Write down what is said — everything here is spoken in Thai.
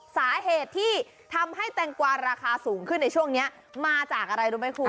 สาเหตุที่ทำให้แตงกวาราคาสูงขึ้นในช่วงนี้มาจากอะไรรู้ไหมคุณ